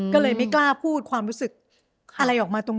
ก็เลยไม่กล้าพูดความรู้สึกอะไรออกมาตรง